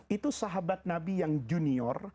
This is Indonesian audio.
itu sahabat nabi yang junior